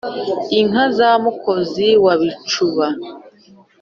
inka za mukozi wa bicuba